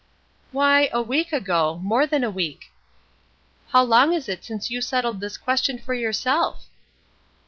"Why, a week ago; more than a week." "How long is it since you settled this question for yourself?"